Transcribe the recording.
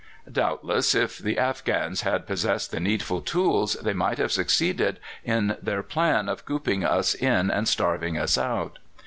Doubtless if the Afghans had possessed the needful tools they might have succeeded in their plan of cooping us in and starving us out.